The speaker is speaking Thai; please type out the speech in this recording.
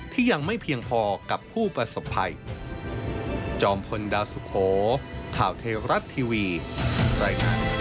ที่ยังไม่เพียงพอกับผู้ประสบภัย